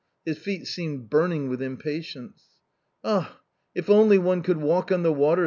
His feet seemed burning with impatience. " Ah ! if only one could walk on the water